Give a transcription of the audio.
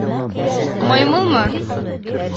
Маймылмы?